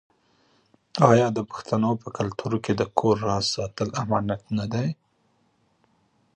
آیا د پښتنو په کلتور کې د کور راز ساتل امانت نه دی؟